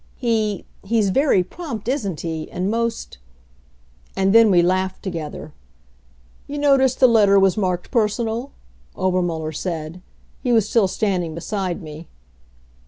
"He he's very prompt, isn't he, and most " And then we laughed together. "You notice the letter was marked personal?" Obermuller said. He was still standing beside me.